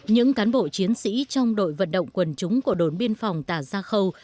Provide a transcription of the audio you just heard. những cán bộ chiến sĩ trong đội vận động quần chúng của đồn biên phòng tà gia khâu